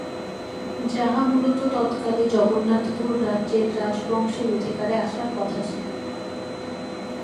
যাহা মূলত তৎকালে জগন্নাথপুর রাজ্যের রাজ্ বংশের অধিকারে আসার কথা ছিল।